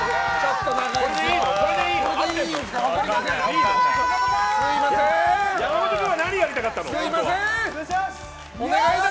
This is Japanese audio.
これでいいの？